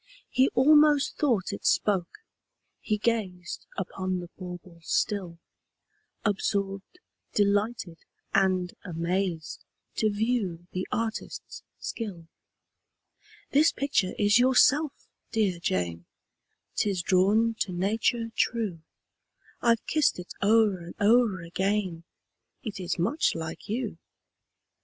He almost thought it spoke: he gazed Upon the bauble still, Absorbed, delighted, and amazed, To view the artist's skill. "This picture is yourself, dear Jane 'Tis drawn to nature true: I've kissed it o'er and o'er again, It is much like you."